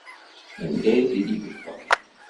Anda ay t-id-yufa?